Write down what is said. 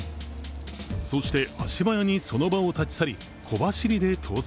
そして足早にその場を立ち去り小走りで逃走。